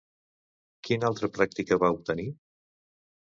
Quina altra pràctica va obtenir?